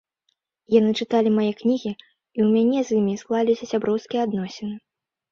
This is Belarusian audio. Яны чыталі мае кнігі, і ў мяне з імі склаліся сяброўскія адносіны.